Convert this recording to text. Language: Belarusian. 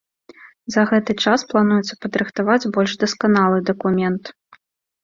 За гэты час плануецца падрыхтаваць больш дасканалы дакумент.